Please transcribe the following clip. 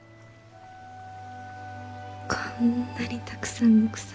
こんなにたくさんの草花。